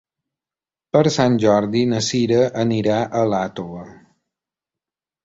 Per Sant Jordi na Cira anirà a Iàtova.